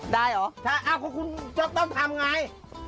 ได้เหรอค่ะเท้าไง